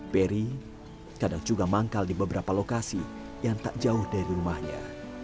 peri kadang juga manggal di beberapa lokasi yang tak jauh dari rumahnya